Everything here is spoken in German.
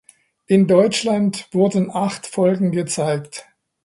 In Deutschland wurden acht Folgen gezeigt.